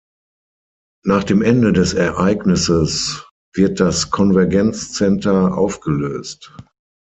Nach dem Ende des Ereignisses wird das Convergence Center aufgelöst.